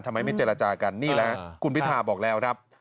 ทำไมไม่เจรจากันนี่แหละครับคุณพิธาบอกแล้วครับ